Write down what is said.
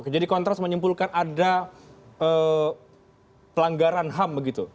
kontras menyimpulkan ada pelanggaran ham begitu